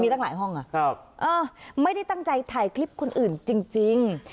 มีตั้งหลายห้องอ่ะครับเออไม่ได้ตั้งใจถ่ายคลิปคนอื่นจริงจริง